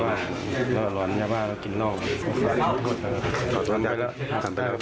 หลายปีแค่กล้องกัดตัวครับเขาก็ไปตรวจ